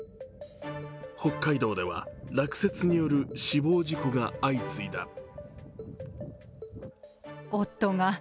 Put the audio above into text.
北海道では、落雪による死亡事故が相次いだ。